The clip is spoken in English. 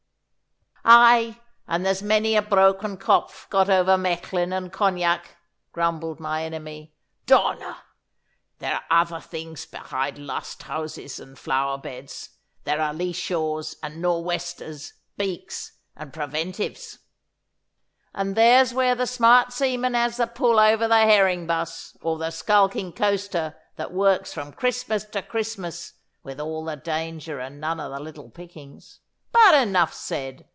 'Aye, and there's many a broken kopf got over Mechlin and Cognac,' grumbled my enemy. 'Donner! There are other things beside lust houses and flower beds. There are lee shores and nor' westers, beaks and preventives.' 'And there's where the smart seaman has the pull over the herring buss, or the skulking coaster that works from Christmas to Christmas with all the danger and none of the little pickings. But enough said!